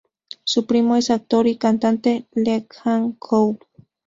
Su primo es el actor y cantante Lee Jang-woo.